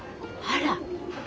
あら。